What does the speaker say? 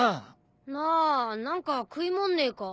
なあ何か食いもんねえか？